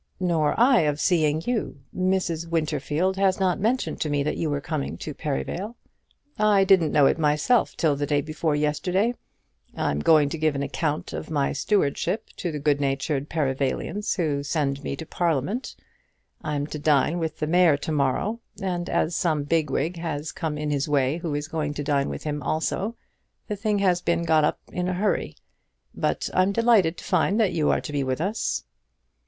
"Nor I of seeing you. Mrs. Winterfield has not mentioned to me that you were coming to Perivale." "I didn't know it myself till the day before yesterday. I'm going to give an account of my stewardship to the good natured Perivalians who send me to Parliament. I'm to dine with the mayor to morrow, and as some big wig has come in his way who is going to dine with him also, the thing has been got up in a hurry. But I'm delighted to find that you are to be with us."